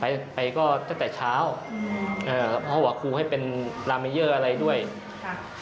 ไปไปก็ตั้งแต่เช้าอืมเอ่อเพราะว่าครูให้เป็นอะไรด้วยครับ